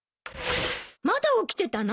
まだ起きてたの？